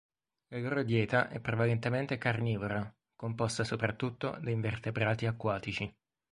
La loro dieta è prevalentemente carnivora, composta soprattutto da invertebrati acquatici.